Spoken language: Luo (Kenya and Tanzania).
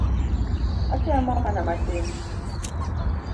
Atemo mana matin.